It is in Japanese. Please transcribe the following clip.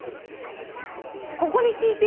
ここで聞いてるの？